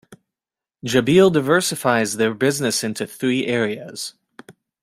Jabil diversifies their business into three areas.